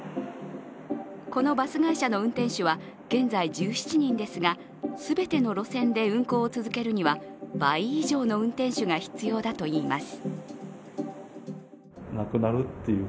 このバス会社の運転手は現在１７人ですが、全ての路線で運行を続けるには倍以上の運転手が必要だといいます。